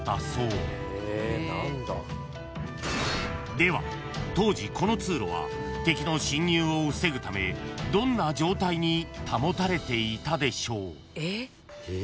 ［では当時この通路は敵の侵入を防ぐためどんな状態に保たれていたでしょう？］